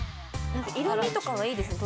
色味とかはいいですね